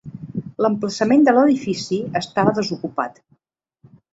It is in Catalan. L'emplaçament de l'edifici estava desocupat.